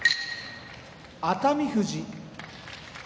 熱海富士